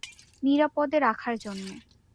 নিরাপদে রাখার জন্যে।